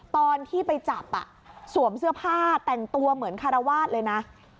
ตอนที่ไปจับสวมเสื้อผ้าแต่งตัวเหมือนคารวาสเลยนะ